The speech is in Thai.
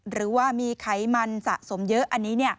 หรือว่ามีไขมันสะสมเยอะอันนี้